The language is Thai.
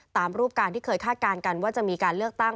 ตามรูปการณ์ที่เคยคาดการณ์กันว่าจะมีการเลือกตั้ง